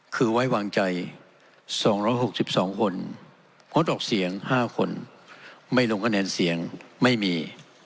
คือไว้วางใจ๒๖๒คนงดออกเสียง๕คนไม่ลงคะแนนเสียงไม่มี